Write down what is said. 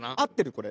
これ。